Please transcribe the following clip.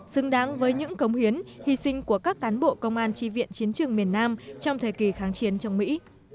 xứng đáng với những cống hiến hy sinh của các cán bộ công an tri viện chiến trường miền nam trong thời kỳ kháng chiến trong mỹ